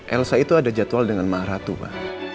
elsa itu ada jadwal dengan maharatu pak